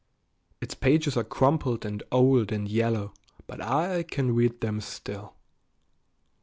Its pages are crumpled and old and yellow, but I can read them still.